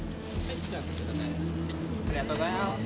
ありがとうございます。